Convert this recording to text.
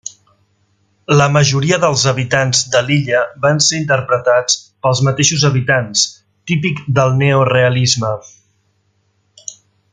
La majoria dels habitants de l'illa van ser interpretats pels mateixos habitants, típic del neorealisme.